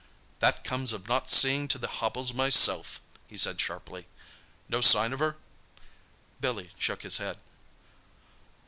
"That comes of not seeing to the hobbles myself," he said sharply. "No sign of her?" Billy shook his head.